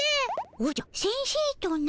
おじゃ先生とな？